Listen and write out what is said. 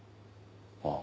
ああ。